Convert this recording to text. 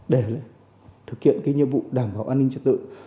để thực hiện cái nhiệm vụ đảm bảo an ninh trật tự